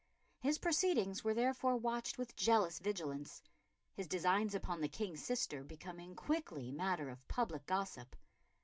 His proceedings were therefore watched with jealous vigilance, his designs upon the King's sister becoming quickly matter of public gossip.